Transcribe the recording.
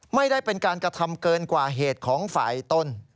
ไม่ได้เป็นการกระทำเกินกว่าเหตุของฝ่ายต้น